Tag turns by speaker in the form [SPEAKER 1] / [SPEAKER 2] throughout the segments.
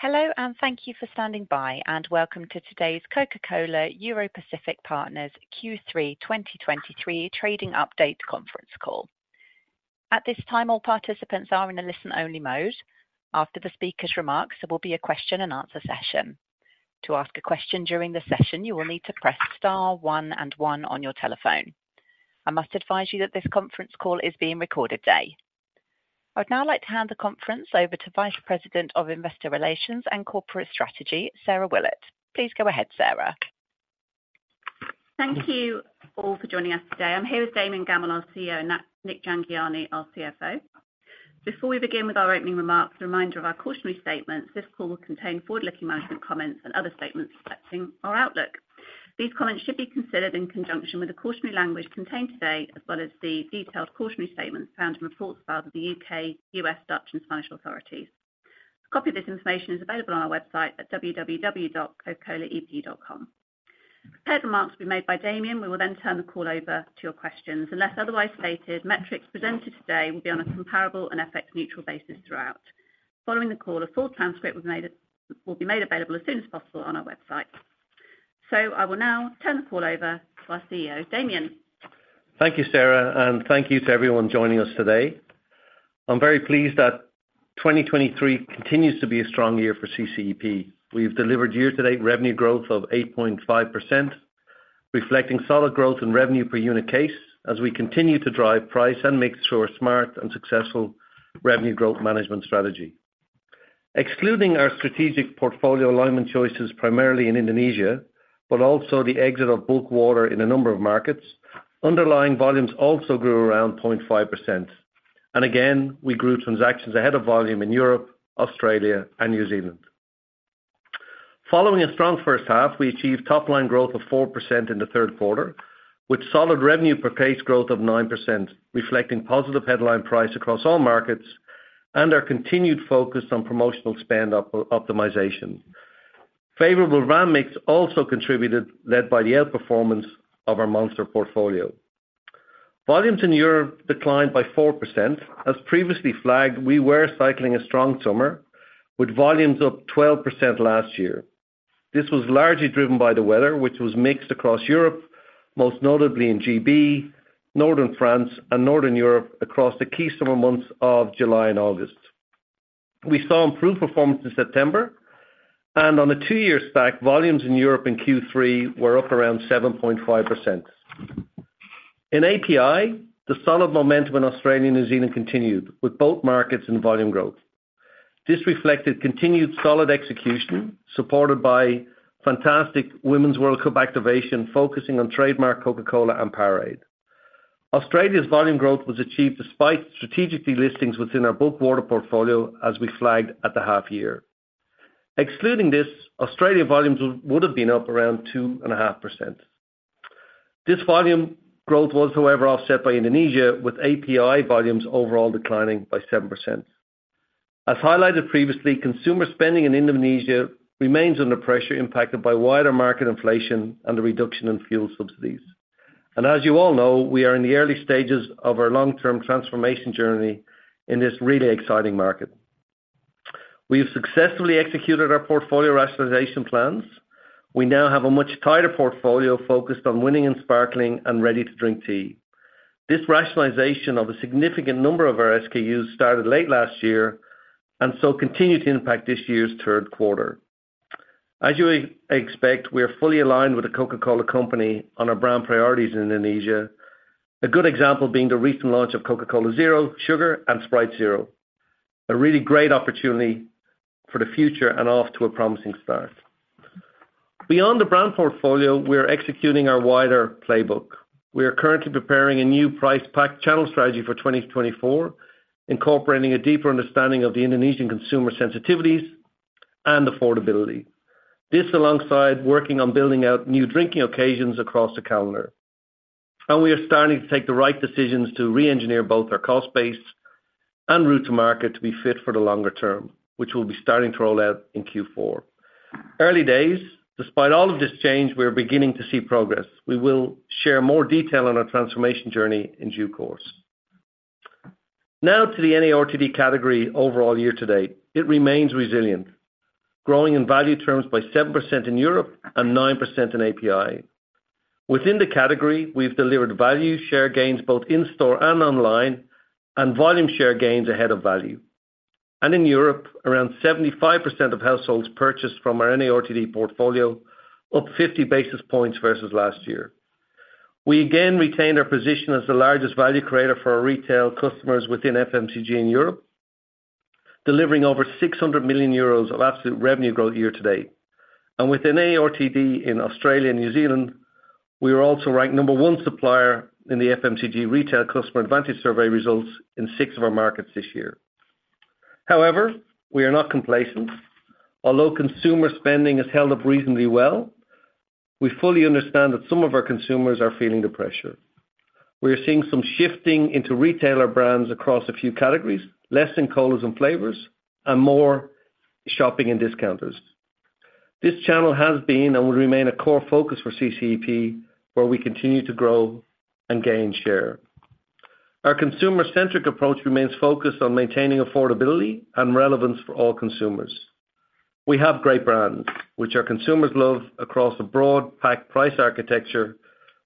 [SPEAKER 1] Hello, and thank you for standing by, and welcome to today's Coca-Cola Europacific Partners Q3 2023 Trading Update conference call. At this time, all participants are in a listen-only mode. After the speaker's remarks, there will be a question-and-answer session. To ask a question during the session, you will need to press star one and one on your telephone. I must advise you that this conference call is being recorded today. I'd now like to hand the conference over to Vice President of Investor Relations and Corporate Strategy, Sarah Willett. Please go ahead, Sarah.
[SPEAKER 2] Thank you all for joining us today. I'm here with Damian Gammell, our CEO, and Nik Jhangiani, our CFO. Before we begin with our opening remarks, a reminder of our cautionary statement. This call will contain forward-looking management comments and other statements respecting our outlook. These comments should be considered in conjunction with the cautionary language contained today, as well as the detailed cautionary statements found in reports filed with the U.K., U.S., Dutch, and Spanish authorities. A copy of this information is available on our website at www.cocacolaep.com. Prepared remarks will be made by Damian. We will then turn the call over to your questions. Unless otherwise stated, metrics presented today will be on a comparable and FX-neutral basis throughout. Following the call, a full transcript will be made available as soon as possible on our website. I will now turn the call over to our CEO, Damian.
[SPEAKER 3] Thank you, Sarah, and thank you to everyone joining us today. I'm very pleased that 2023 continues to be a strong year for CCEP. We've delivered year-to-date revenue growth of 8.5%, reflecting solid growth in revenue per unit case as we continue to drive price and make sure smart and successful revenue growth management strategy. Excluding our strategic portfolio alignment choices, primarily in Indonesia, but also the exit of bulk water in a number of markets, underlying volumes also grew around 0.5%. Again, we grew transactions ahead of volume in Europe, Australia, and New Zealand. Following a strong H1, we achieved top-line growth of 4% in the Q3, with solid revenue per case growth of 9%, reflecting positive headline price across all markets and our continued focus on promotional spend optimization. Favorable RAM mix also contributed, led by the outperformance of our Monster portfolio. Volumes in Europe declined by 4%. As previously flagged, we were cycling a strong summer, with volumes up 12% last year. This was largely driven by the weather, which was mixed across Europe, most notably in GB, Northern France, and Northern Europe, across the key summer months of July and August. We saw improved performance in September, and on a two-year stack, volumes in Europe in Q3 were up around 7.5%. In API, the solid momentum in Australia and New Zealand continued, with both markets in volume growth. This reflected continued solid execution, supported by fantastic Women's World Cup activation, focusing on trademark Coca-Cola and Powerade. Australia's volume growth was achieved despite strategic delistings within our bulk water portfolio, as we flagged at the half year. Excluding this, Australian volumes would have been up around 2.5%. This volume growth was, however, offset by Indonesia, with API volumes overall declining by 7%. As highlighted previously, consumer spending in Indonesia remains under pressure, impacted by wider market inflation and the reduction in fuel subsidies. And as you all know, we are in the early stages of our long-term transformation journey in this really exciting market. We have successfully executed our portfolio rationalization plans. We now have a much tighter portfolio focused on winning and sparkling and ready-to-drink tea. This rationalization of a significant number of our SKUs started late last year and so continued to impact this year's Q3. As you expect, we are fully aligned with the Coca-Cola Company on our brand priorities in Indonesia. A good example being the recent launch of Coca-Cola Zero Sugar and Sprite Zero. A really great opportunity for the future and off to a promising start. Beyond the brand portfolio, we are executing our wider playbook. We are currently preparing a new price pack channel strategy for 2024, incorporating a deeper understanding of the Indonesian consumer sensitivities and affordability. This alongside working on building out new drinking occasions across the calendar. We are starting to take the right decisions to reengineer both our cost base and route to market to be fit for the longer term, which we'll be starting to roll out in Q4. Early days, despite all of this change, we are beginning to see progress. We will share more detail on our transformation journey in due course. Now to the NARTD category overall year to date. It remains resilient, growing in value terms by 7% in Europe and 9% in API. Within the category, we've delivered value share gains both in-store and online, and volume share gains ahead of value. In Europe, around 75% of households purchased from our NARTD portfolio, up 50 basis points versus last year. We again retained our position as the largest value creator for our retail customers within FMCG in Europe, delivering over 600 million euros of absolute revenue growth year to date. With NARTD in Australia and New Zealand, we are also ranked number one supplier in the FMCG Retail Customer Advantage survey results in six of our markets this year. However, we are not complacent. Although consumer spending has held up reasonably well, we fully understand that some of our consumers are feeling the pressure. We are seeing some shifting into retailer brands across a few categories, less in colas and flavors, and more shopping and discounters. This channel has been, and will remain, a core focus for CCEP, where we continue to grow and gain share. Our consumer-centric approach remains focused on maintaining affordability and relevance for all consumers. We have great brands, which our consumers love across a broad pack price architecture,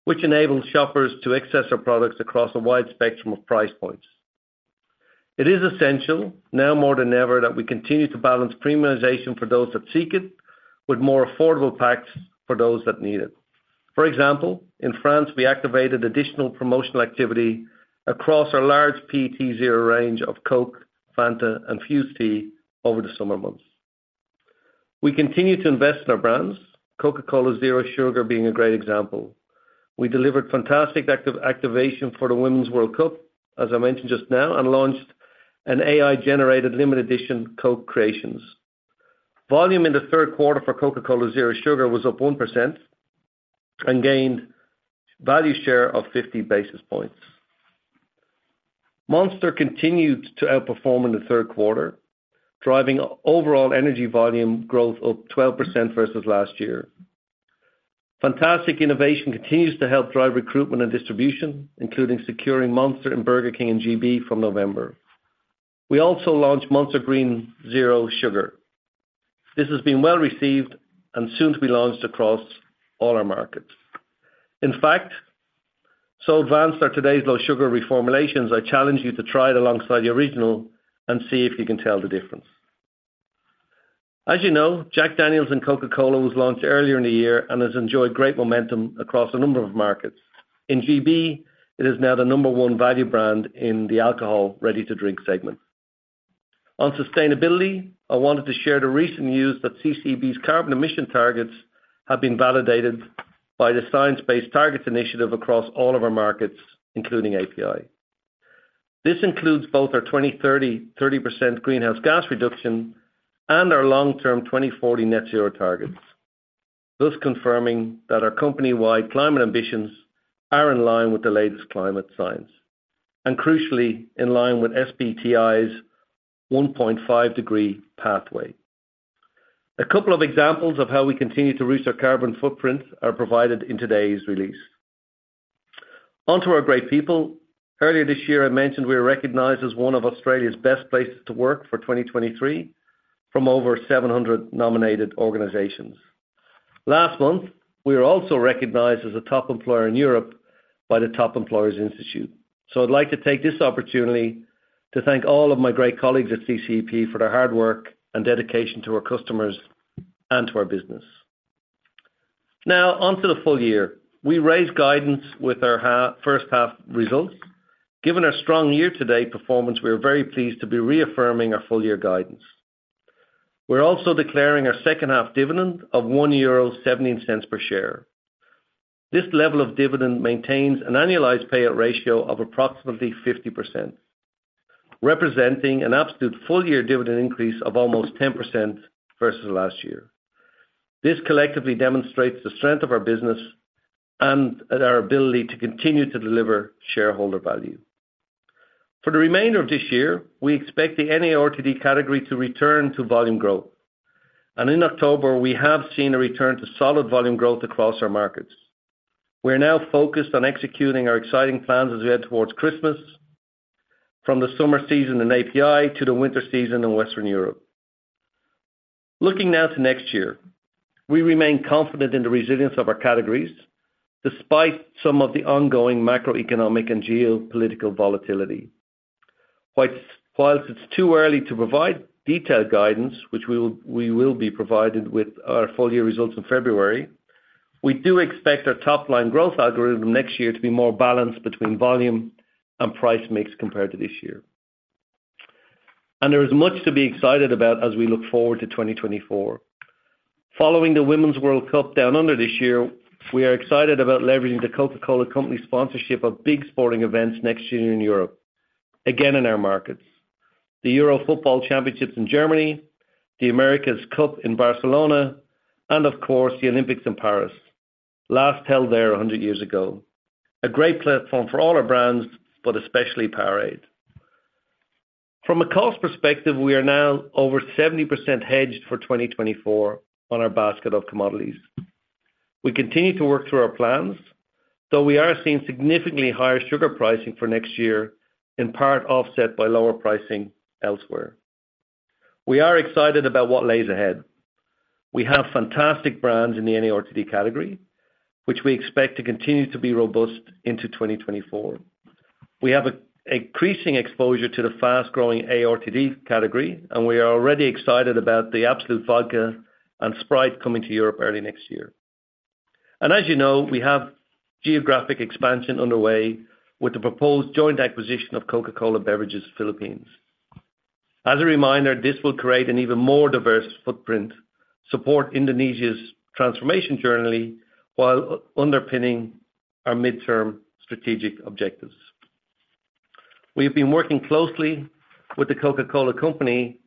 [SPEAKER 3] which enables shoppers to access our products across a wide spectrum of price points. It is essential, now more than ever, that we continue to balance premiumization for those that seek it, with more affordable packs for those that need it. For example, in France, we activated additional promotional activity across our large PET zero range of Coke, Fanta, and Fuze Tea over the summer months. We continue to invest in our brands, Coca-Cola Zero Sugar being a great example. We delivered fantastic active activation for the Women's World Cup, as I mentioned just now, and launched an AI-generated limited edition Coke Creations. Volume in the Q3 for Coca-Cola Zero Sugar was up 1%, and gained value share of 50 basis points. Monster continued to outperform in the Q3, driving overall energy volume growth up 12% versus last year. Fantastic innovation continues to help drive recruitment and distribution, including securing Monster in Burger King in GB from November. We also launched Monster Green Zero Sugar. This has been well-received and soon to be launched across all our markets. In fact, so advanced are today's low sugar reformulations, I challenge you to try it alongside the original and see if you can tell the difference. As you know, Jack Daniel's and Coca-Cola was launched earlier in the year and has enjoyed great momentum across a number of markets. In GB, it is now the number one value brand in the alcohol ready-to-drink segment. On sustainability, I wanted to share the recent news that CCEP's carbon emission targets have been validated by the Science Based Targets initiative across all of our markets, including API. This includes both our 2030 30% greenhouse gas reduction and our long-term 2040 net zero targets, thus confirming that our company-wide climate ambitions are in line with the latest climate science, and crucially, in line with SBTi's 1.5-degree pathway. A couple of examples of how we continue to reduce our carbon footprint are provided in today's release. Onto our great people. Earlier this year, I mentioned we were recognized as one of Australia's best places to work for 2023 from over 700 nominated organizations. Last month, we were also recognized as a top employer in Europe by the Top Employers Institute. So I'd like to take this opportunity to thank all of my great colleagues at CCEP for their hard work and dedication to our customers and to our business. Now, onto the full year. We raised guidance with our H1 results. Given our strong year-to-date performance, we are very pleased to be reaffirming our full year guidance. We're also declaring our H2 dividend of 1.17 euro per share. This level of dividend maintains an annualized payout ratio of approximately 50%, representing an absolute full-year dividend increase of almost 10% versus last year. This collectively demonstrates the strength of our business and our ability to continue to deliver shareholder value. For the remainder of this year, we expect the NARTD category to return to volume growth, and in October, we have seen a return to solid volume growth across our markets. We are now focused on executing our exciting plans as we head towards Christmas, from the summer season in API to the winter season in Western Europe. Looking now to next year, we remain confident in the resilience of our categories, despite some of the ongoing macroeconomic and geopolitical volatility. While it's too early to provide detailed guidance, which we will provide with our full-year results in February, we do expect our top-line growth algorithm next year to be more balanced between volume and price mix compared to this year. There is much to be excited about as we look forward to 2024. Following the Women's World Cup Down Under this year, we are excited about leveraging The Coca-Cola Company sponsorship of big sporting events next year in Europe. Again, in our markets, the Euro Football Championships in Germany, the America's Cup in Barcelona, and of course, the Olympics in Paris, last held there 100 years ago. A great platform for all our brands, but especially Powerade. From a cost perspective, we are now over 70% hedged for 2024 on our basket of commodities. We continue to work through our plans, though we are seeing significantly higher sugar pricing for next year, in part offset by lower pricing elsewhere. We are excited about what lies ahead. We have fantastic brands in the NARTD category, which we expect to continue to be robust into 2024. We have increasing exposure to the fast-growing ARTD category, and we are already excited about the Absolut Vodka and Sprite coming to Europe early next year. As you know, we have geographic expansion underway with the proposed joint acquisition of Coca-Cola Beverages Philippines. As a reminder, this will create an even more diverse footprint, support Indonesia's transformation journey, while underpinning our midterm strategic objectives. We have been working closely with The Coca-Cola Company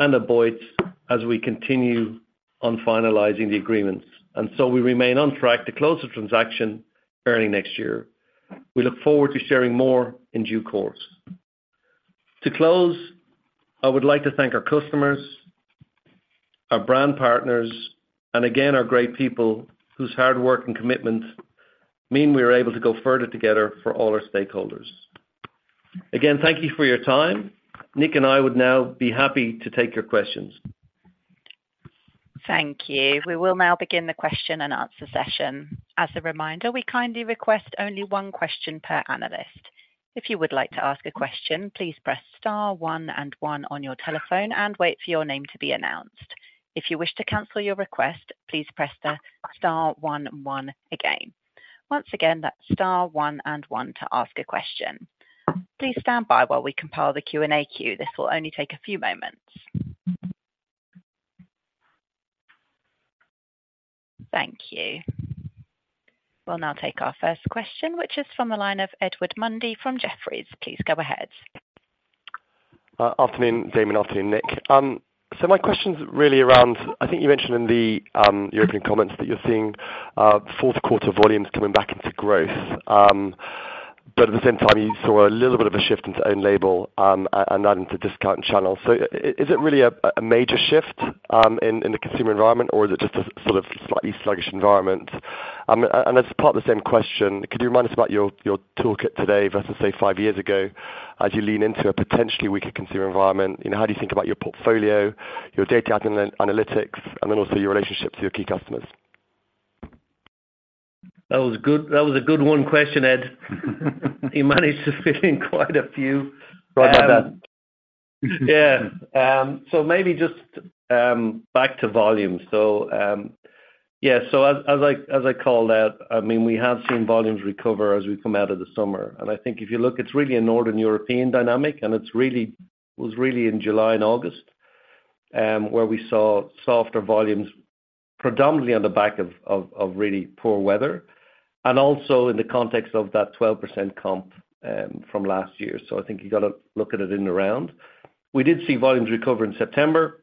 [SPEAKER 3] and the Aboitiz as we continue on finalizing the agreements, and so we remain on track to close the transaction early next year. We look forward to sharing more in due course. To close, I would like to thank our customers, our brand partners, and again, our great people, whose hard work and commitment mean we are able to go further together for all our stakeholders. Again, thank you for your time. Nik and I would now be happy to take your questions.
[SPEAKER 1] Thank you. We will now begin the question and answer session. As a reminder, we kindly request only one question per analyst. If you would like to ask a question, please press star one and one on your telephone and wait for your name to be announced. If you wish to cancel your request, please press the star one one again. Once again, that's star one and one to ask a question. Please stand by while we compile the Q&A queue. This will only take a few moments. Thank you. We'll now take our first question, which is from the line of Edward Mundy from Jefferies. Please go ahead.
[SPEAKER 4] Afternoon, Damian. Afternoon, Nik. So my question is really around I think you mentioned in the European comments that you're seeing Q4 volumes coming back into growth. But at the same time, you saw a little bit of a shift into own label and add into discount channels. So is it really a major shift in the consumer environment, or is it just a sort of slightly sluggish environment? And as part of the same question, could you remind us about your toolkit today versus, say, five years ago, as you lean into a potentially weaker consumer environment? You know, how do you think about your portfolio, your data analytics, and then also your relationship to your key customers?
[SPEAKER 3] That was good. That was a good one question, Ed. You managed to fit in quite a few.
[SPEAKER 4] Right at that.
[SPEAKER 3] Yeah. So maybe just back to volume. So yeah, so as I called out, I mean, we have seen volumes recover as we come out of the summer. And I think if you look, it's really a Northern European dynamic, and it was really in July and August where we saw softer volumes, predominantly on the back of really poor weather, and also in the context of that 12% comp from last year. So I think you got to look at it in the round. We did see volumes recover in September,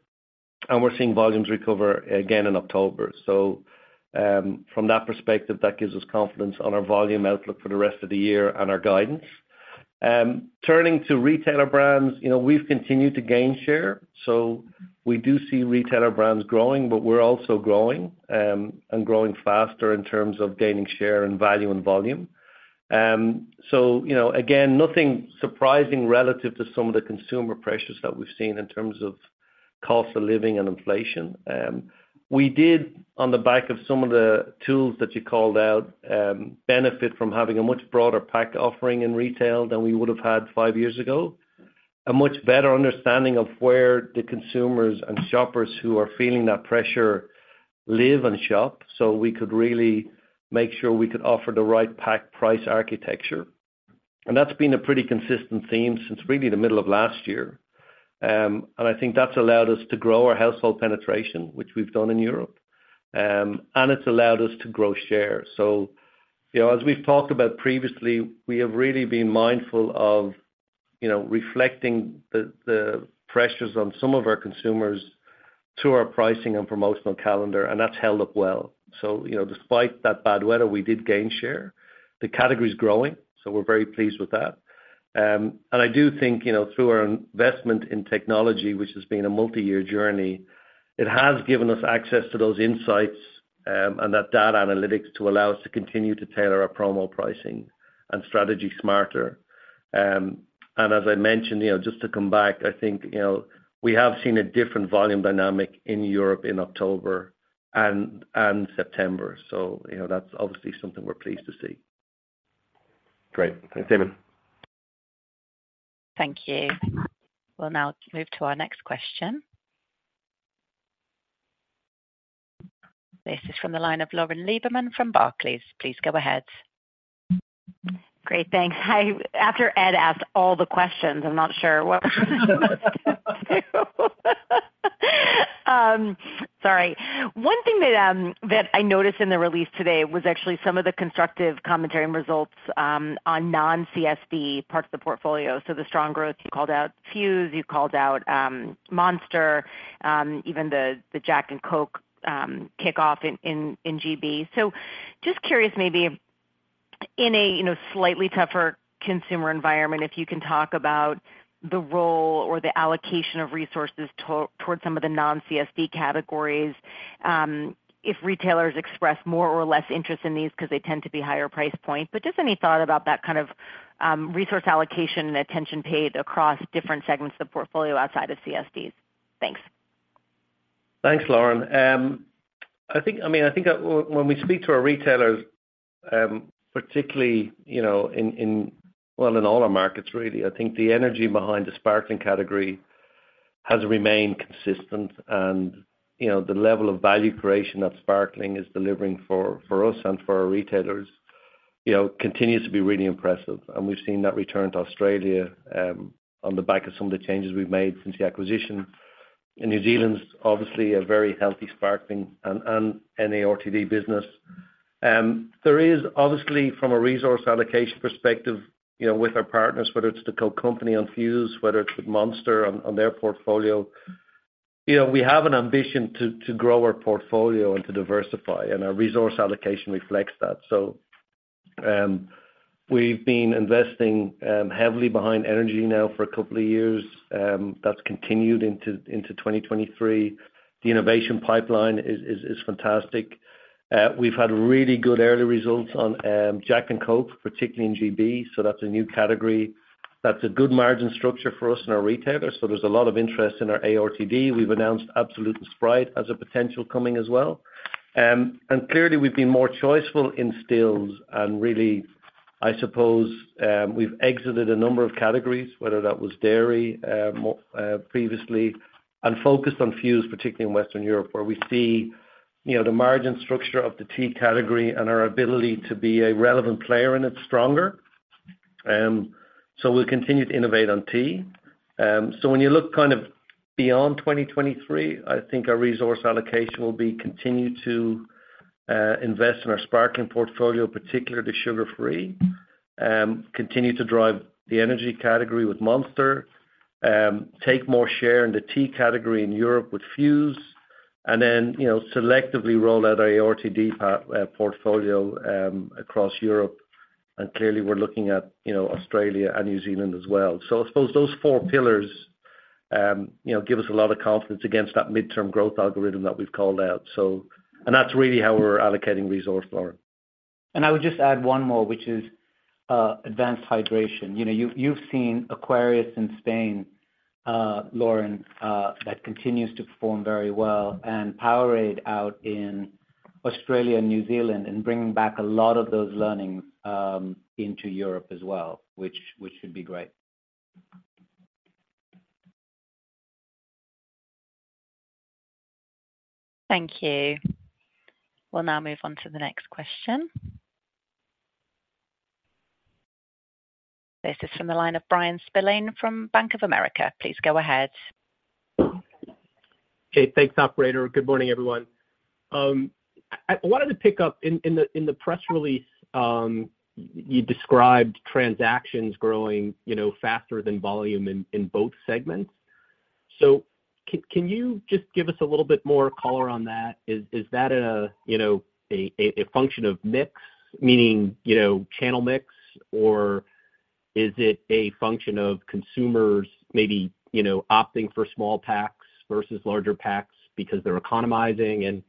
[SPEAKER 3] and we're seeing volumes recover again in October. So from that perspective, that gives us confidence on our volume outlook for the rest of the year and our guidance. Turning to retailer brands, you know, we've continued to gain share, so we do see retailer brands growing, but we're also growing, and growing faster in terms of gaining share and value and volume. So, you know, again, nothing surprising relative to some of the consumer pressures that we've seen in terms of cost of living and inflation. We did, on the back of some of the tools that you called out, benefit from having a much broader pack offering in retail than we would have had five years ago. A much better understanding of where the consumers and shoppers who are feeling that pressure live and shop, so we could really make sure we could offer the right pack price architecture. And that's been a pretty consistent theme since really the middle of last year. I think that's allowed us to grow our household penetration, which we've done in Europe, and it's allowed us to grow share. So, you know, as we've talked about previously, we have really been mindful of, you know, reflecting the pressures on some of our consumers through our pricing and promotional calendar, and that's held up well. So, you know, despite that bad weather, we did gain share. The category is growing, so we're very pleased with that. I do think, you know, through our investment in technology, which has been a multi-year journey, it has given us access to those insights, and that data analytics to allow us to continue to tailor our promo pricing and strategy smarter. As I mentioned, you know, just to come back, I think, you know, we have seen a different volume dynamic in Europe in October and September. So you know, that's obviously something we're pleased to see.
[SPEAKER 4] Great. Thanks, Damian.
[SPEAKER 1] Thank you. We'll now move to our next question. This is from the line of Lauren Lieberman from Barclays. Please go ahead.
[SPEAKER 5] Great, thanks. Hi. After Ed asked all the questions, I'm not sure what, sorry. One thing that I noticed in the release today was actually some of the constructive commentary and results on non-CSD parts of the portfolio. So the strong growth, you called out Fuze, you called out Monster, even the Jack and Coke kickoff in GB. So just curious, maybe in a you know slightly tougher consumer environment, if you can talk about the role or the allocation of resources towards some of the non-CSD categories, if retailers express more or less interest in these because they tend to be higher price point. But just any thought about that kind of resource allocation and attention paid across different segments of the portfolio outside of CSDs? Thanks.
[SPEAKER 3] Thanks, Lauren. I think, I mean, I think when, when we speak to our retailers, particularly, you know, in, in well, in all our markets, really, I think the energy behind the sparkling category has remained consistent. And, you know, the level of value creation that Sparkling is delivering for, for us and for our retailers, you know, continues to be really impressive. And we've seen that return to Australia, on the back of some of the changes we've made since the acquisition. In New Zealand, obviously a very healthy Sparkling and, and NARTD business. There is obviously from a resource allocation perspective, you know, with our partners, whether it's the Coke company on Fuze, whether it's with Monster on, on their portfolio, you know, we have an ambition to, to grow our portfolio and to diversify, and our resource allocation reflects that. So. We've been investing heavily behind energy now for a couple of years, that's continued into 2023. The innovation pipeline is fantastic. We've had really good early results on Jack and Coke, particularly in GB, so that's a new category. That's a good margin structure for us and our retailers, so there's a lot of interest in our ARTD. We've announced Absolut Sprite as a potential coming as well. And clearly, we've been more choiceful in stills, and really, I suppose, we've exited a number of categories, whether that was dairy, previously, and focused on Fuze, particularly in Western Europe, where we see, you know, the margin structure of the tea category and our ability to be a relevant player, and it's stronger. So we'll continue to innovate on tea. So when you look kind of beyond 2023, I think our resource allocation will be continue to invest in our sparkling portfolio, particularly sugar-free. Continue to drive the energy category with Monster. Take more share in the tea category in Europe with Fuze, and then, you know, selectively roll out our ARTD portfolio across Europe. And clearly, we're looking at, you know, Australia and New Zealand as well. So I suppose those four pillars, you know, give us a lot of confidence against that midterm growth algorithm that we've called out. And that's really how we're allocating resource, Lauren.
[SPEAKER 6] I would just add one more, which is advanced hydration. You know, you've, you've seen Aquarius in Spain, Lauren, that continues to perform very well, and Powerade out in Australia and New Zealand, and bringing back a lot of those learnings into Europe as well, which should be great.
[SPEAKER 1] Thank you. We'll now move on to the next question. This is from the line of Brian Spillane from Bank of America. Please go ahead.
[SPEAKER 7] Okay, thanks, operator. Good morning, everyone. I wanted to pick up in the press release, you described transactions growing, you know, faster than volume in both segments. So can you just give us a little bit more color on that? Is that a, you know, a function of mix, meaning, you know, channel mix, or is it a function of consumers maybe, you know, opting for small packs versus larger packs because they're economizing? And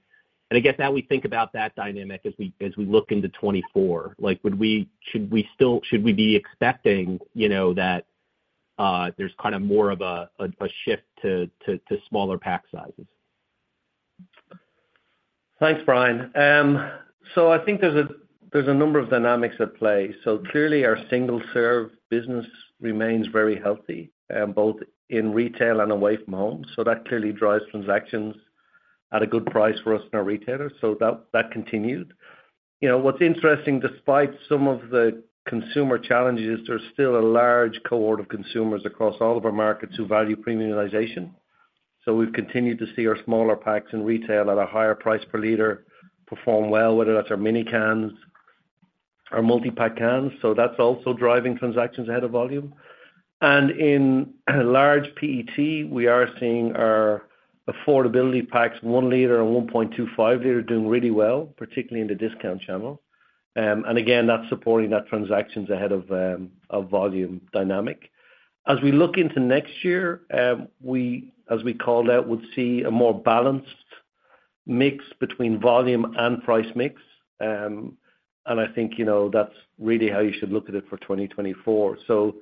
[SPEAKER 7] I guess, how we think about that dynamic as we look into 2024. Like, should we be expecting, you know, that there's kind of more of a shift to smaller pack sizes?
[SPEAKER 3] Thanks, Brian. So I think there's a number of dynamics at play. So clearly, our single-serve business remains very healthy, both in retail and away from home. So that clearly drives transactions at a good price for us and our retailers, so that continued. You know, what's interesting, despite some of the consumer challenges, there's still a large cohort of consumers across all of our markets who value premiumization. So we've continued to see our smaller packs in retail at a higher price per liter perform well, whether that's our mini cans or multi-pack cans, so that's also driving transactions ahead of volume. And in large PET, we are seeing our affordability packs, 1 liter and 1.25 liter, doing really well, particularly in the discount channel. And again, that's supporting that transactions ahead of volume dynamic. As we look into next year, we, as we called out, would see a more balanced mix between volume and price mix. And I think, you know, that's really how you should look at it for 2024. So,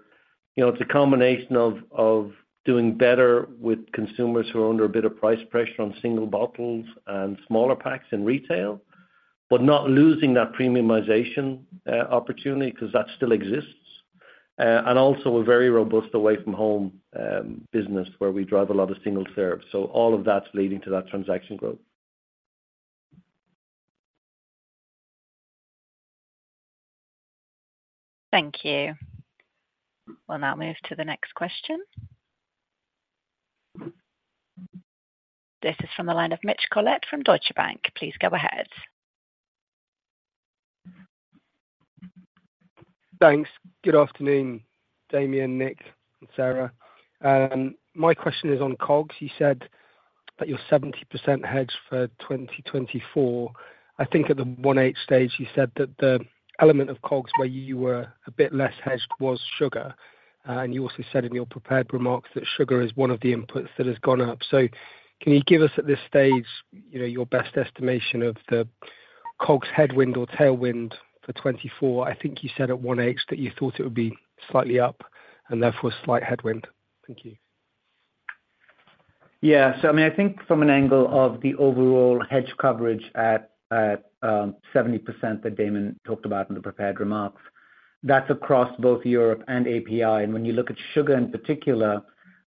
[SPEAKER 3] you know, it's a combination of, of doing better with consumers who are under a bit of price pressure on single bottles and smaller packs in retail, but not losing that premiumization opportunity, 'cause that still exists. And also a very robust away from home business, where we drive a lot of single serves. So all of that's leading to that transaction growth.
[SPEAKER 1] Thank you. We'll now move to the next question. This is from the line of Mitch Collett from Deutsche Bank. Please go ahead.
[SPEAKER 8] Thanks. Good afternoon, Damian, Nik, and Sarah. My question is on COGS. You said that you're 70% hedged for 2024. I think at the 1Q stage, you said that the element of COGS, where you were a bit less hedged, was sugar. And you also said in your prepared remarks that sugar is one of the inputs that has gone up. So can you give us, at this stage, you know, your best estimation of the COGS headwind or tailwind for 2024? I think you said at 1Q that you thought it would be slightly up and therefore a slight headwind. Thank you.
[SPEAKER 6] Yeah. So I mean, I think from an angle of the overall hedge coverage at 70% that Damian talked about in the prepared remarks, that's across both Europe and API. And when you look at sugar in particular,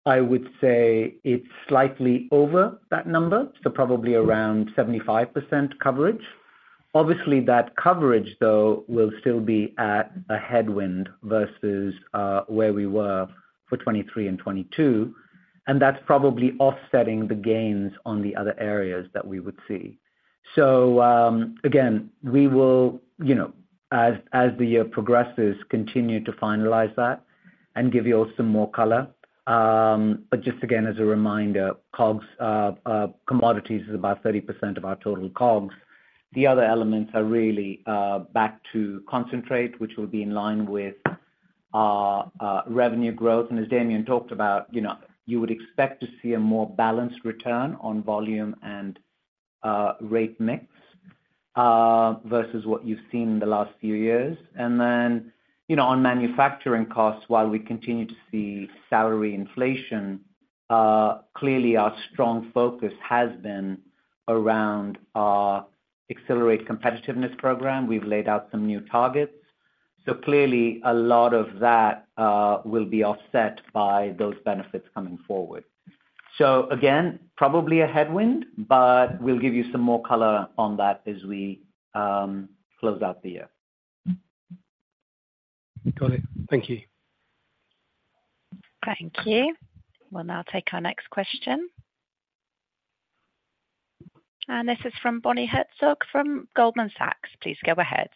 [SPEAKER 6] I would say it's slightly over that number, so probably around 75% coverage. Obviously, that coverage, though, will still be at a headwind versus where we were for 2023 and 2022, and that's probably offsetting the gains on the other areas that we would see. So, again, we will, you know, as the year progresses, continue to finalize that and give you all some more color. But just again, as a reminder, COGS commodities is about 30% of our total COGS. The other elements are really back to concentrate, which will be in line with our revenue growth. As Damian talked about, you know, you would expect to see a more balanced return on volume and rate mix versus what you've seen in the last few years. And then, you know, on manufacturing costs, while we continue to see salary inflation, clearly our strong focus has been around our Accelerate Competitiveness program. We've laid out some new targets. So clearly, a lot of that will be offset by those benefits coming forward. So again, probably a headwind, but we'll give you some more color on that as we close out the year.
[SPEAKER 3] Got it. Thank you.
[SPEAKER 1] Thank you. We'll now take our next question. This is from Bonnie Herzog from Goldman Sachs. Please go ahead.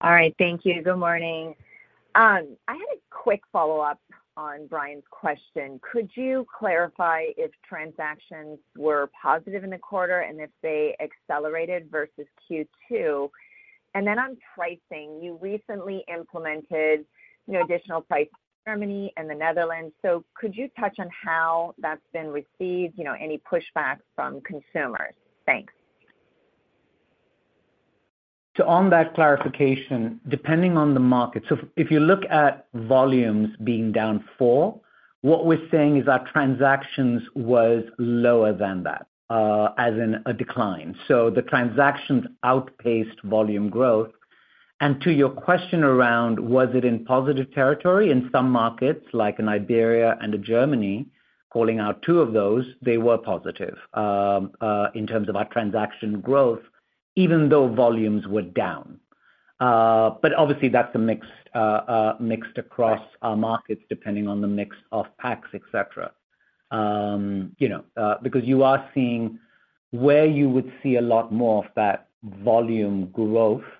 [SPEAKER 9] All right, thank you. Good morning. I had a quick follow-up on Brian's question. Could you clarify if transactions were positive in the quarter and if they accelerated versus Q2? And then on pricing, you recently implemented, you know, additional price, Germany and the Netherlands. So could you touch on how that's been received? You know, any pushback from consumers? Thanks.
[SPEAKER 6] On that clarification, depending on the market. If you look at volumes being down 4, what we're saying is our transactions was lower than that, as in a decline. So the transactions outpaced volume growth. And to your question around, was it in positive territory? In some markets, like in Iberia and in Germany, calling out 2 of those, they were positive, in terms of our transaction growth, even though volumes were down. But obviously, that's a mix, mixed across our markets, depending on the mix of packs, et cetera. You know, because you are seeing where you would see a lot more of that volume growth,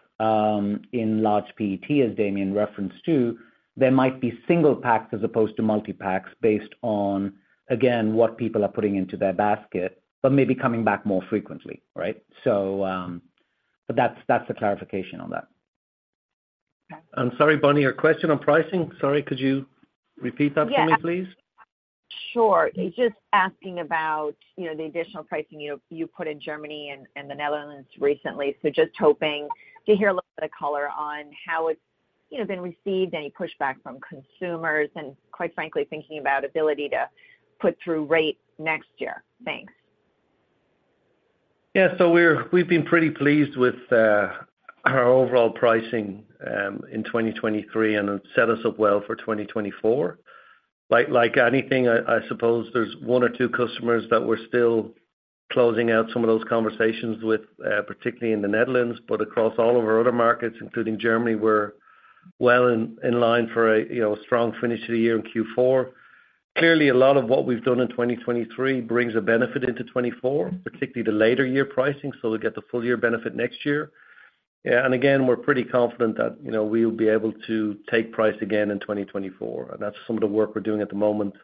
[SPEAKER 6] in large PET, as Damian referenced to, there might be single packs as opposed to multi-packs, based on, again, what people are putting into their basket, but maybe coming back more frequently. Right? So, but that's, that's a clarification on that.
[SPEAKER 3] And sorry, Bonnie, your question on pricing. Sorry, could you repeat that for me, please?
[SPEAKER 9] Sure. Just asking about, you know, the additional pricing you put in Germany and the Netherlands recently. So just hoping to hear a little bit of color on how it's, you know, been received, any pushback from consumers, and quite frankly, thinking about ability to put through rates next year. Thanks.
[SPEAKER 3] Yeah, so we've been pretty pleased with our overall pricing in 2023, and it set us up well for 2024. Like anything, I suppose there's one or two customers that we're still closing out some of those conversations with, particularly in the Netherlands, but across all of our other markets, including Germany, we're well in line for a you know strong finish to the year in Q4. Clearly, a lot of what we've done in 2023 brings a benefit into 2024, particularly the later year pricing, so we'll get the full year benefit next year. Yeah, and again, we're pretty confident that you know we'll be able to take price again in 2024, and that's some of the work we're doing at the moment.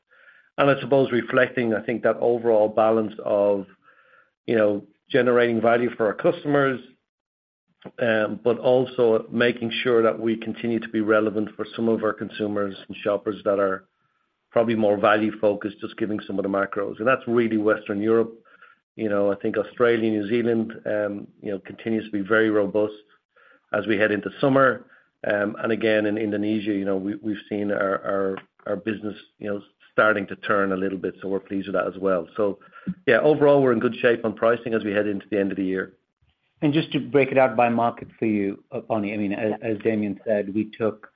[SPEAKER 3] I suppose reflecting, I think, that overall balance of, you know, generating value for our customers, but also making sure that we continue to be relevant for some of our consumers and shoppers that are probably more value-focused, just giving some of the macros. That's really Western Europe. You know, I think Australia, New Zealand, continues to be very robust as we head into summer. And again, in Indonesia, you know, we've seen our business, you know, starting to turn a little bit, so we're pleased with that as well. So yeah, overall, we're in good shape on pricing as we head into the end of the year.
[SPEAKER 6] Just to break it out by market for you, Bonnie, I mean, as, as Damian said, we took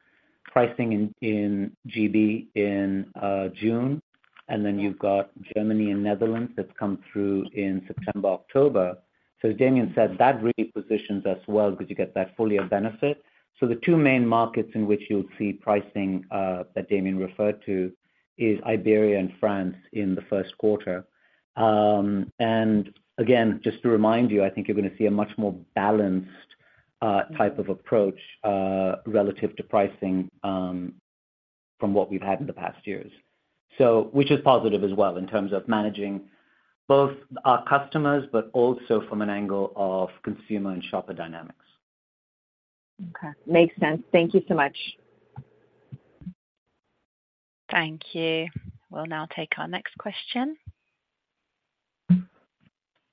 [SPEAKER 6] pricing in, in GB in June, and then you've got Germany and Netherlands that's come through in September, October. So Damian said that really positions us well because you get that full year benefit. So the two main markets in which you'll see pricing, that Damian referred to is Iberia and France in the Q1. And again, just to remind you, I think you're gonna see a much more balanced, type of approach, relative to pricing, from what we've had in the past years. So which is positive as well in terms of managing both our customers, but also from an angle of consumer and shopper dynamics.
[SPEAKER 9] Okay. Makes sense. Thank you so much.
[SPEAKER 1] Thank you. We'll now take our next question.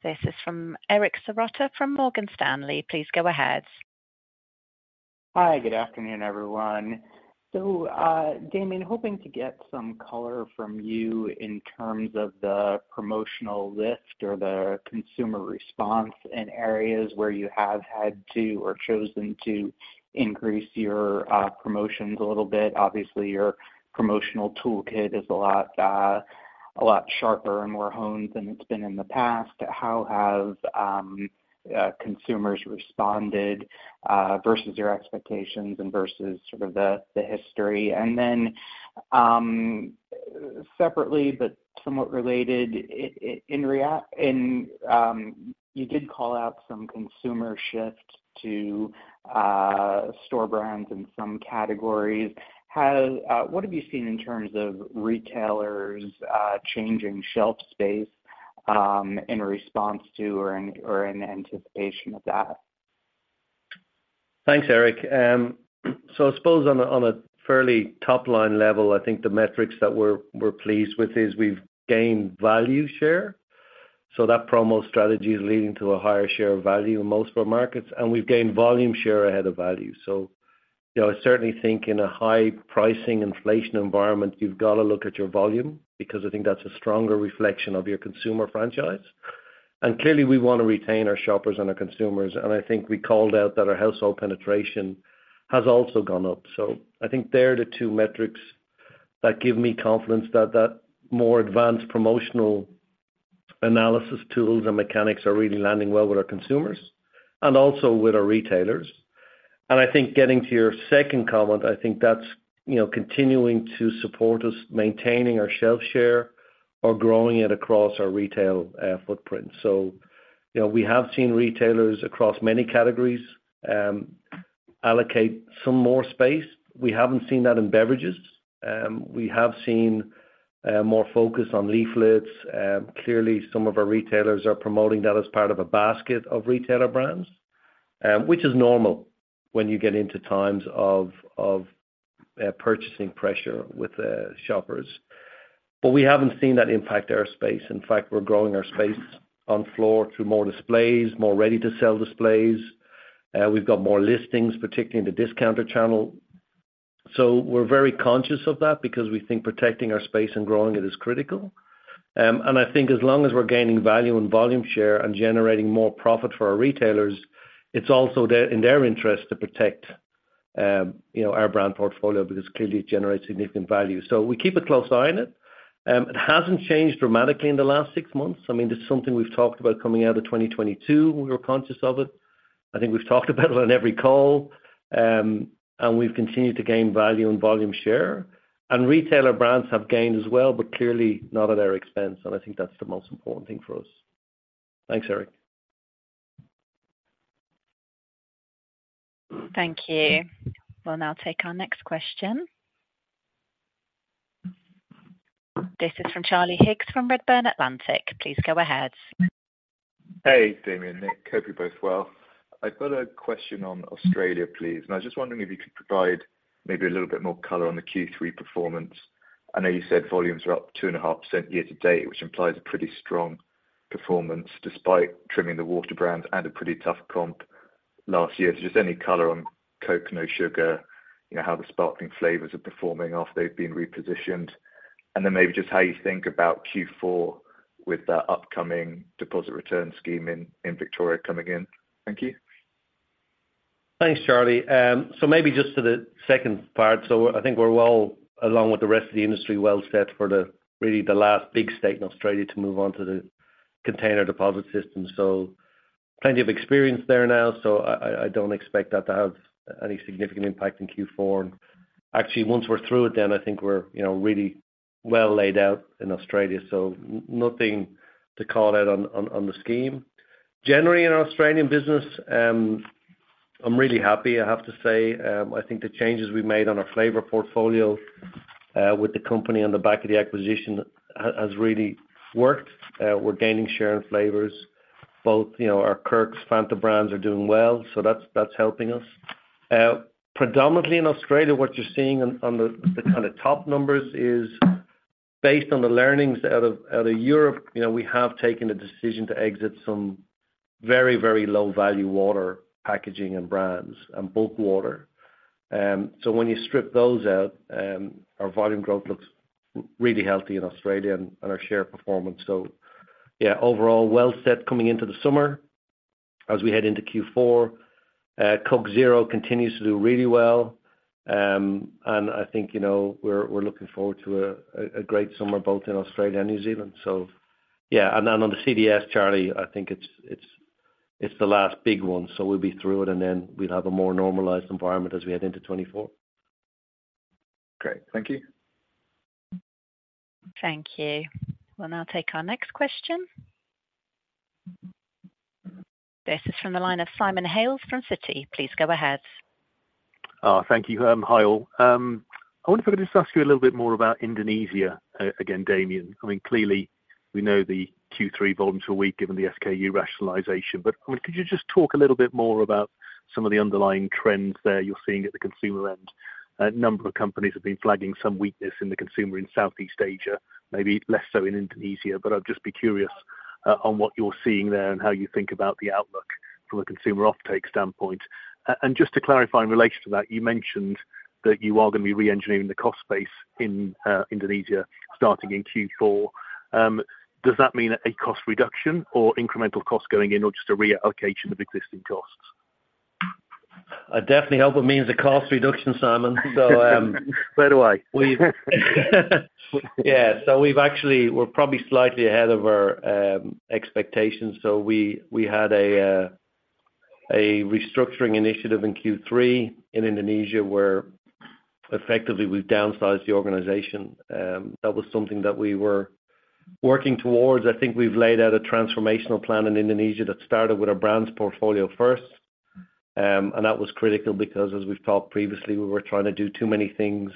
[SPEAKER 1] This is from Eric Serotta from Morgan Stanley. Please go ahead.
[SPEAKER 10] Hi, good afternoon, everyone. So, Damian, hoping to get some color from you in terms of the promotional lift or the consumer response in areas where you have had to or chosen to increase your promotions a little bit. Obviously, your promotional toolkit is a lot, a lot sharper and more honed than it's been in the past. How have consumers responded versus your expectations and versus sort of the history? And then, separately, but somewhat related, in reaction, you did call out some consumer shift to store brands in some categories. Has what have you seen in terms of retailers changing shelf space? in response to or in anticipation of that?
[SPEAKER 3] Thanks, Eric. So I suppose on a fairly top-line level, I think the metrics that we're pleased with is we've gained value share. So that promo strategy is leading to a higher share of value in most of our markets, and we've gained volume share ahead of value. So, you know, I certainly think in a high pricing inflation environment, you've got to look at your volume, because I think that's a stronger reflection of your consumer franchise. And clearly, we want to retain our shoppers and our consumers, and I think we called out that our household penetration has also gone up. So I think they're the two metrics that give me confidence that more advanced promotional analysis tools and mechanics are really landing well with our consumers and also with our retailers. I think getting to your second comment, I think that's, you know, continuing to support us, maintaining our shelf share or growing it across our retail footprint. So, you know, we have seen retailers across many categories allocate some more space. We haven't seen that in beverages. We have seen more focus on leaflets. Clearly, some of our retailers are promoting that as part of a basket of retailer brands, which is normal when you get into times of purchasing pressure with shoppers. But we haven't seen that impact our space. In fact, we're growing our space on floor through more displays, more ready-to-sell displays. We've got more listings, particularly in the discounter channel. So we're very conscious of that because we think protecting our space and growing it is critical. And I think as long as we're gaining value and volume share and generating more profit for our retailers, it's also in their interest to protect, you know, our brand portfolio, because clearly it generates significant value. So we keep a close eye on it. It hasn't changed dramatically in the last six months. I mean, this is something we've talked about coming out of 2022. We were conscious of it. I think we've talked about it on every call, and we've continued to gain value and volume share. And retailer brands have gained as well, but clearly not at our expense, and I think that's the most important thing for us. Thanks, Eric.
[SPEAKER 1] Thank you. We'll now take our next question. This is from Charlie Higgs from Redburn Atlantic. Please go ahead.
[SPEAKER 11] Hey, Damian, Nik. Hope you're both well. I've got a question on Australia, please. I was just wondering if you could provide maybe a little bit more color on the Q3 performance. I know you said volumes are up 2.5% year to date, which implies a pretty strong performance, despite trimming the water brands and a pretty tough comp last year. Just any color on Coke No Sugar, you know, how the sparkling flavors are performing after they've been repositioned, and then maybe just how you think about Q4 with that upcoming deposit return scheme in, in Victoria coming in. Thank you.
[SPEAKER 3] Thanks, Charlie. So maybe just to the second part. So I think we're well, along with the rest of the industry, well set for really the last big state in Australia to move on to the container deposit system. So plenty of experience there now, so I don't expect that to have any significant impact in Q4. Actually, once we're through it, then I think we're, you know, really well laid out in Australia, so nothing to call out on the scheme. Generally, in our Australian business, I'm really happy, I have to say. I think the changes we made on our flavor portfolio, with the company on the back of the acquisition has really worked. We're gaining share in flavors. Both, you know, our Kirks Fanta brands are doing well, so that's helping us. Predominantly in Australia, what you're seeing on the kind of top numbers is based on the learnings out of Europe, you know, we have taken the decision to exit some very, very low-value water packaging and brands and bulk water. So when you strip those out, our volume growth looks really healthy in Australia and our share performance. So yeah, overall well set coming into the summer as we head into Q4. Coke Zero continues to do really well. And I think, you know, we're looking forward to a great summer both in Australia and New Zealand. So yeah, and then on the CDS, Charlie, I think it's the last big one, so we'll be through it, and then we'll have a more normalized environment as we head into 2024.
[SPEAKER 11] Great. Thank you.
[SPEAKER 1] Thank you. We'll now take our next question. This is from the line of Simon Hales from Citi. Please go ahead.
[SPEAKER 12] Thank you. Hi all. I wonder if I could just ask you a little bit more about Indonesia, again, Damian. I mean, clearly, we know the Q3 volumes are weak, given the SKU rationalization. I mean, could you just talk a little bit more about some of the underlying trends there you're seeing at the consumer end? A number of companies have been flagging some weakness in the consumer in Southeast Asia, maybe less so in Indonesia, but I'd just be curious on what you're seeing there and how you think about the outlook from a consumer offtake standpoint. And just to clarify in relation to that, you mentioned that you are going to be reengineering the cost base in Indonesia, starting in Q4. Does that mean a cost reduction or incremental cost going in, or just a reallocation of existing costs?
[SPEAKER 3] I definitely hope it means a cost reduction, Simon.
[SPEAKER 12] So, right away.
[SPEAKER 3] We've. Yeah, so we've actually, we're probably slightly ahead of our expectations. So we had a restructuring initiative in Q3 in Indonesia, where effectively we've downsized the organization. That was something that we were working towards. I think we've laid out a transformational plan in Indonesia that started with our brands portfolio first.... And that was critical because as we've talked previously, we were trying to do too many things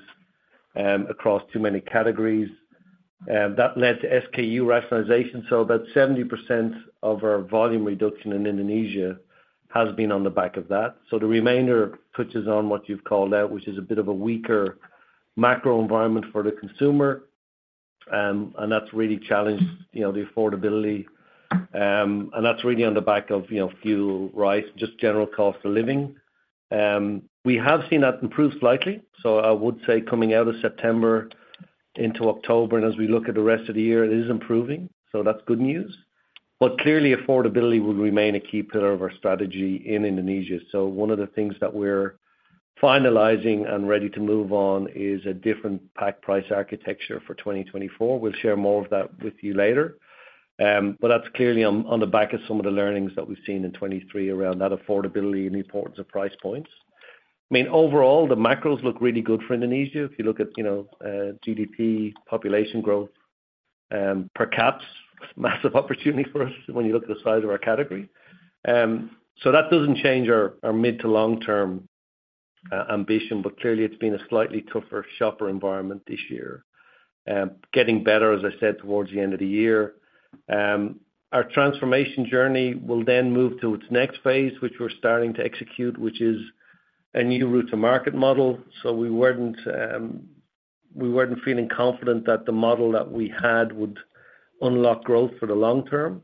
[SPEAKER 3] across too many categories, and that led to SKU rationalization. So about 70% of our volume reduction in Indonesia has been on the back of that. So the remainder puts us on what you've called out, which is a bit of a weaker macro environment for the consumer. And that's really challenged, you know, the affordability, and that's really on the back of, you know, fuel, rice, just general cost of living. We have seen that improve slightly. So I would say coming out of September into October, and as we look at the rest of the year, it is improving. So that's good news. But clearly, affordability will remain a key pillar of our strategy in Indonesia. So one of the things that we're finalizing and ready to move on is a different pack price architecture for 2024. We'll share more of that with you later. But that's clearly on, on the back of some of the learnings that we've seen in 2023 around that affordability and the importance of price points. I mean, overall, the macros look really good for Indonesia. If you look at, you know, GDP, population growth, per caps, massive opportunity for us when you look at the size of our category. So that doesn't change our, our mid to long term, ambition, but clearly it's been a slightly tougher shopper environment this year. Getting better, as I said, towards the end of the year. Our transformation journey will then move to its next phase, which we're starting to execute, which is a new route to market model. So we weren't, we weren't feeling confident that the model that we had would unlock growth for the long term.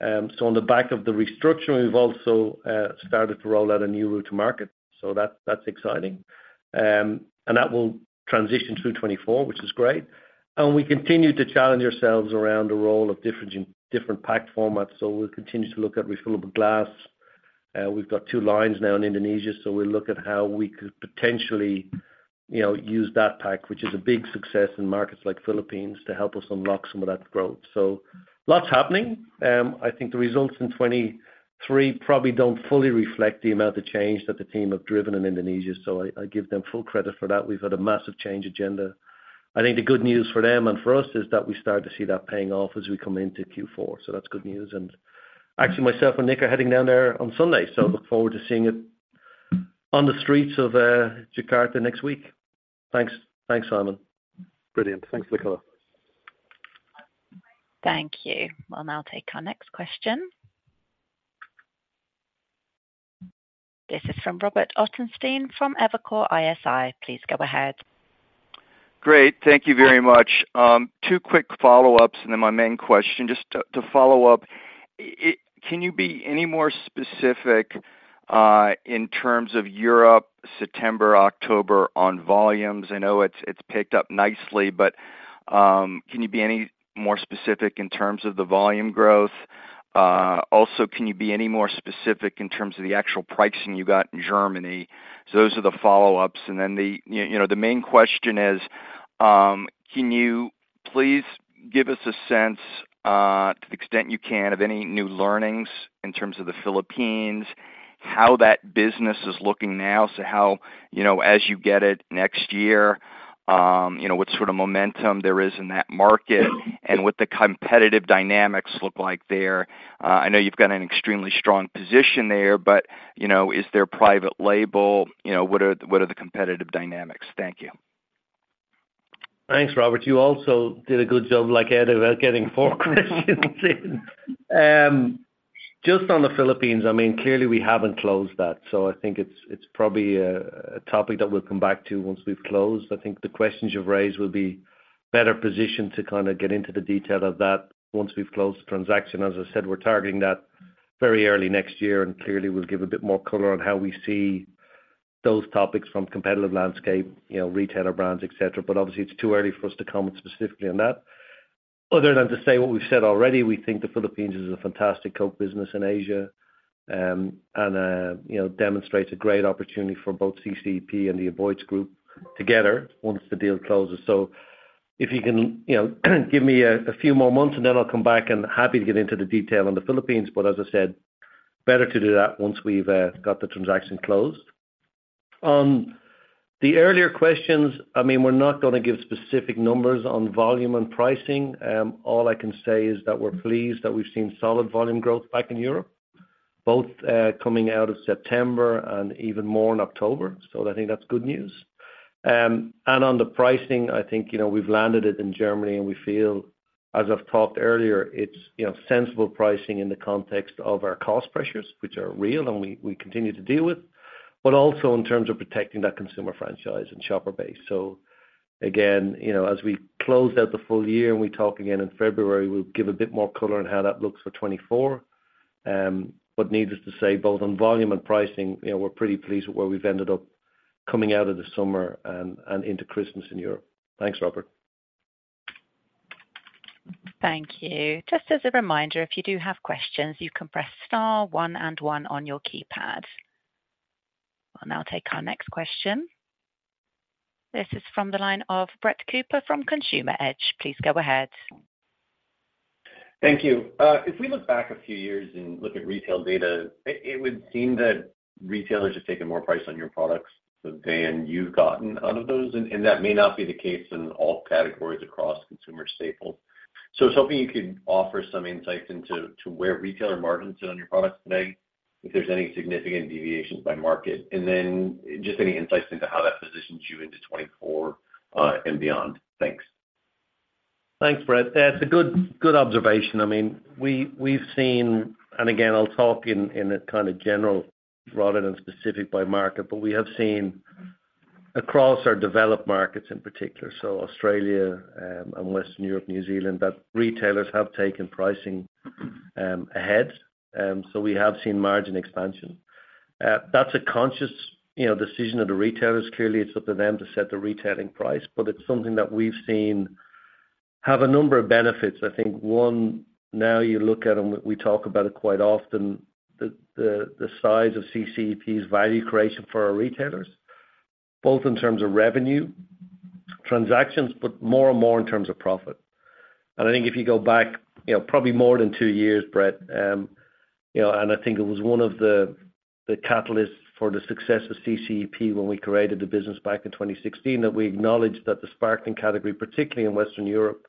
[SPEAKER 3] So on the back of the restructuring, we've also, started to roll out a new route to market. So that, that's exciting. And that will transition through 2024, which is great. We continue to challenge ourselves around the role of different pack formats. So we'll continue to look at refillable glass. We've got 2 lines now in Indonesia, so we'll look at how we could potentially, you know, use that pack, which is a big success in markets like Philippines, to help us unlock some of that growth. So lots happening. I think the results in 2023 probably don't fully reflect the amount of change that the team have driven in Indonesia. So I give them full credit for that. We've had a massive change agenda. I think the good news for them and for us is that we start to see that paying off as we come into Q4. So that's good news. Actually, myself and Nik are heading down there on Sunday, so look forward to seeing it on the streets of Jakarta next week. Thanks. Thanks, Simon.
[SPEAKER 12] Brilliant. Thanks, Nicola.
[SPEAKER 1] Thank you. We'll now take our next question. This is from Robert Ottenstein from Evercore ISI. Please go ahead.
[SPEAKER 13] Great. Thank you very much. Two quick follow-ups and then my main question. Just to follow up, can you be any more specific in terms of Europe, September, October, on volumes? I know it's picked up nicely, but can you be any more specific in terms of the volume growth? Also, can you be any more specific in terms of the actual pricing you got in Germany? So those are the follow-ups. And then, you know, the main question is, can you please give us a sense, to the extent you can, of any new learnings in terms of the Philippines, how that business is looking now? So how, you know, as you get it next year, you know, what sort of momentum there is in that market and what the competitive dynamics look like there? I know you've got an extremely strong position there, but, you know, is there private label? You know, what are the competitive dynamics? Thank you.
[SPEAKER 3] Thanks, Robert. You also did a good job like Eddie, about getting four questions in. Just on the Philippines, I mean, clearly we haven't closed that, so I think it's, it's probably a, a topic that we'll come back to once we've closed. I think the questions you've raised will be better positioned to kind of get into the detail of that once we've closed the transaction. As I said, we're targeting that very early next year, and clearly we'll give a bit more color on how we see those topics from competitive landscape, you know, retailer brands, et cetera. But obviously it's too early for us to comment specifically on that, other than to say what we've said already. We think the Philippines is a fantastic Coke business in Asia, and, you know, demonstrates a great opportunity for both CCEP and the Aboitiz group together once the deal closes. So if you can, you know, give me a few more months, and then I'll come back and happy to get into the detail on the Philippines. But as I said, better to do that once we've got the transaction closed. The earlier questions, I mean, we're not gonna give specific numbers on volume and pricing. All I can say is that we're pleased that we've seen solid volume growth back in Europe, both coming out of September and even more in October. So I think that's good news. On the pricing, I think, you know, we've landed it in Germany, and we feel, as I've talked earlier, it's, you know, sensible pricing in the context of our cost pressures, which are real, and we, we continue to deal with, but also in terms of protecting that consumer franchise and shopper base. So again, you know, as we close out the full year and we talk again in February, we'll give a bit more color on how that looks for 2024. But needless to say, both on volume and pricing, you know, we're pretty pleased with where we've ended up coming out of the summer and, and into Christmas in Europe. Thanks, Robert.
[SPEAKER 1] Thank you. Just as a reminder, if you do have questions, you can press star one and one on your keypad. I'll now take our next question. This is from the line of Brett Cooper from Consumer Edge. Please go ahead.
[SPEAKER 14] Thank you. If we look back a few years and look at retail data, it would seem that retailers have taken more price on your products than you've gotten out of those, and that may not be the case in all categories across consumer staples. So I was hoping you could offer some insight into where retailer margins sit on your products today, if there's any significant deviations by market, and then just any insights into how that positions you into 2024 and beyond? Thanks.
[SPEAKER 3] Thanks, Brett. That's a good, good observation. I mean, we've seen, and again, I'll talk in a kind of general rather than specific by market, but we have seen across our developed markets in particular, so Australia and Western Europe, New Zealand, that retailers have taken pricing ahead. So we have seen margin expansion. That's a conscious, you know, decision of the retailers. Clearly, it's up to them to set the retailing price, but it's something that we've seen have a number of benefits. I think, one, now you look at them, we talk about it quite often, the size of CCEP's value creation for our retailers, both in terms of revenue, transactions, but more and more in terms of profit. I think if you go back, you know, probably more than two years, Brett, you know, and I think it was one of the, the catalysts for the success of CCEP when we created the business back in 2016, that we acknowledged that the sparkling category, particularly in Western Europe,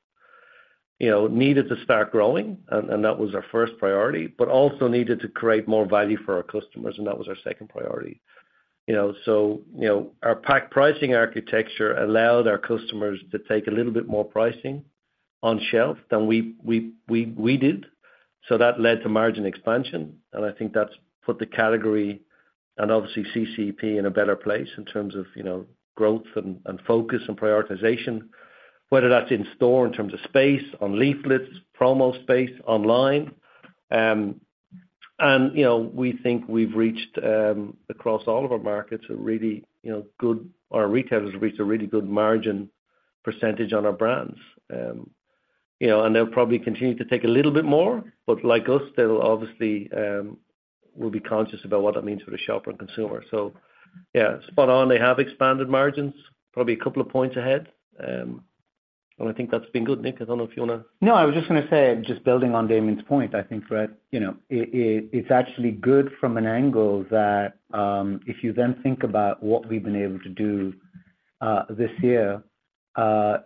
[SPEAKER 3] you know, needed to start growing, and, and that was our first priority. But also needed to create more value for our customers, and that was our second priority. You know, so, you know, our pack pricing architecture allowed our customers to take a little bit more pricing on shelf than we did, so that led to margin expansion. And I think that's put the category and obviously CCEP in a better place in terms of, you know, growth and, and focus and prioritization. Whether that's in store, in terms of space, on leaflets, promo space, online. And, you know, we think we've reached across all of our markets a really, you know, good... Our retailers have reached a really good margin percentage on our brands. You know, and they'll probably continue to take a little bit more, but like us, they'll obviously will be conscious about what that means for the shopper and consumer. So, yeah, spot on, they have expanded margins, probably a couple of points ahead. And I think that's been good. Nik, I don't know if you wanna-
[SPEAKER 6] No, I was just gonna say, just building on Damian's point, I think, Brett, you know, it's actually good from an angle that, if you then think about what we've been able to do, this year,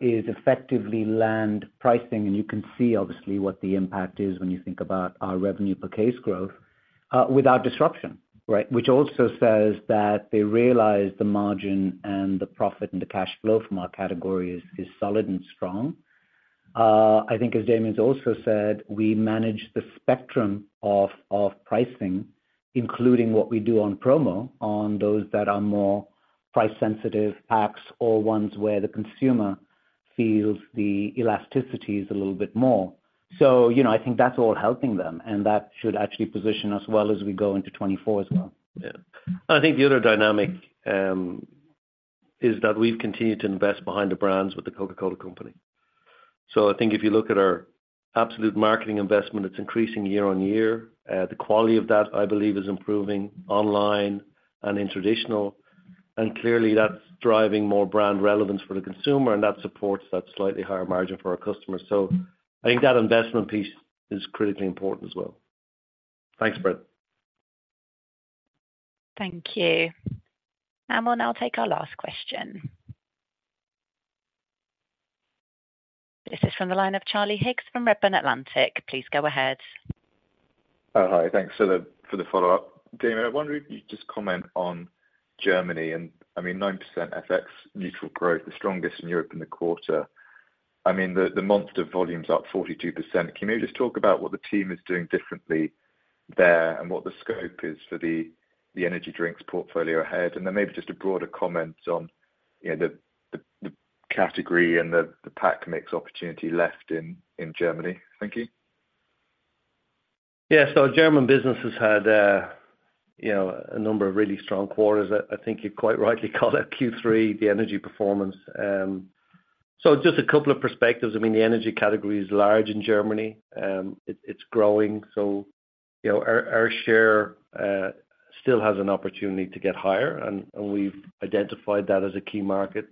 [SPEAKER 6] is effectively land pricing. And you can see obviously what the impact is when you think about our revenue per case growth, without disruption, right? Which also says that they realize the margin and the profit and the cash flow from our category is solid and strong. I think as Damian's also said, we manage the spectrum of pricing, including what we do on promo, on those that are more price-sensitive packs, or ones where the consumer feels the elasticity is a little bit more. So, you know, I think that's all helping them, and that should actually position us well as we go into 2024 as well.
[SPEAKER 3] Yeah. I think the other dynamic is that we've continued to invest behind the brands with the Coca-Cola Company. So I think if you look at our absolute marketing investment, it's increasing year on year. The quality of that, I believe, is improving online and in traditional, and clearly that's driving more brand relevance for the consumer, and that supports that slightly higher margin for our customers. So I think that investment piece is critically important as well. Thanks, Brett.
[SPEAKER 1] Thank you. We'll now take our last question. This is from the line of Charlie Higgs from Redburn Atlantic. Please go ahead.
[SPEAKER 11] Hi, thanks for the follow-up. Damian, I wonder if you'd just comment on Germany, and I mean, 9% FX-neutral growth, the strongest in Europe in the quarter. I mean, the Monster volume's up 42%. Can you just talk about what the team is doing differently there and what the scope is for the energy drinks portfolio ahead? And then maybe just a broader comment on, you know, the category and the pack mix opportunity left in Germany. Thank you.
[SPEAKER 3] Yeah. So German business has had, you know, a number of really strong quarters. I think you've quite rightly called out Q3, the energy performance. So just a couple of perspectives. I mean, the energy category is large in Germany. It's growing, so you know, our share still has an opportunity to get higher, and we've identified that as a key market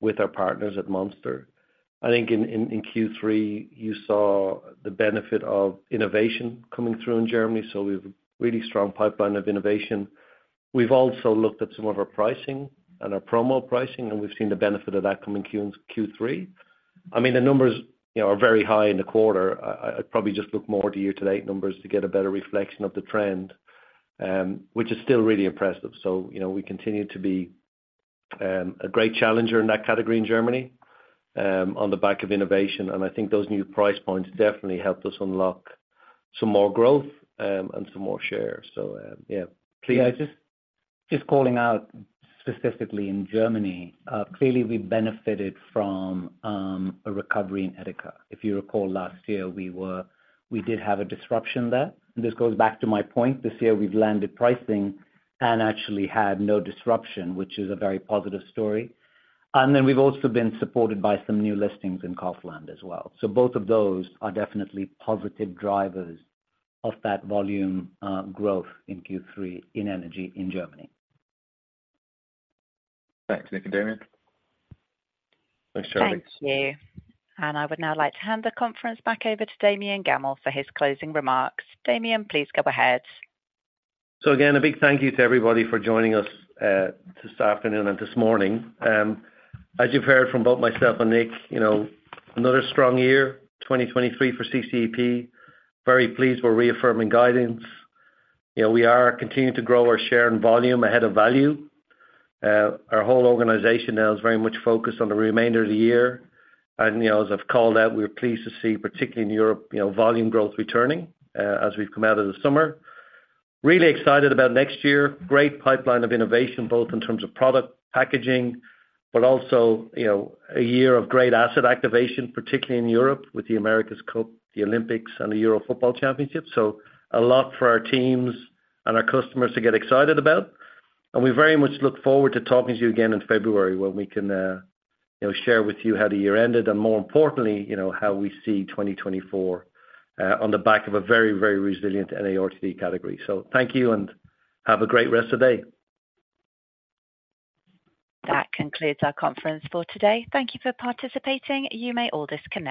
[SPEAKER 3] with our partners at Monster. I think in Q3, you saw the benefit of innovation coming through in Germany, so we have a really strong pipeline of innovation. We've also looked at some of our pricing and our promo pricing, and we've seen the benefit of that come in Q3. I mean, the numbers, you know, are very high in the quarter. I'd probably just look more at the year-to-date numbers to get a better reflection of the trend, which is still really impressive. So, you know, we continue to be a great challenger in that category in Germany on the back of innovation. And I think those new price points definitely helped us unlock some more growth and some more share. So, yeah. Please-
[SPEAKER 6] Yeah, just calling out specifically in Germany, clearly we benefited from a recovery in Edeka. If you recall, last year, we were. We did have a disruption there. And this goes back to my point, this year we've landed pricing and actually had no disruption, which is a very positive story. And then we've also been supported by some new listings in Kaufland as well. So both of those are definitely positive drivers of that volume growth in Q3 in energy in Germany.
[SPEAKER 11] Thanks, Nik and Damian.
[SPEAKER 3] Thanks, Charlie.
[SPEAKER 1] Thank you. I would now like to hand the conference back over to Damian Gammell for his closing remarks. Damian, please go ahead.
[SPEAKER 3] So again, a big thank you to everybody for joining us, this afternoon and this morning. As you've heard from both myself and Nik, you know, another strong year, 2023 for CCEP. Very pleased we're reaffirming guidance. You know, we are continuing to grow our share and volume ahead of value. Our whole organization now is very much focused on the remainder of the year, and, you know, as I've called out, we're pleased to see, particularly in Europe, you know, volume growth returning, as we've come out of the summer. Really excited about next year. Great pipeline of innovation, both in terms of product packaging, but also, you know, a year of great asset activation, particularly in Europe, with the America's Cup, the Olympics and the Euro Football Championship. So a lot for our teams and our customers to get excited about, and we very much look forward to talking to you again in February, when we can, you know, share with you how the year ended, and more importantly, you know, how we see 2024, on the back of a very, very resilient NARTD category. So thank you, and have a great rest of the day.
[SPEAKER 1] That concludes our conference for today. Thank you for participating. You may all disconnect.